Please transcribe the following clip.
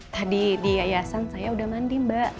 tadi di yayasan saya udah mandi mbak